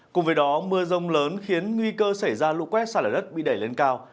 cùng với đó mưa rông lớn khiến nguy cơ xảy ra lũ quét sạt lở đất bị đẩy lên cao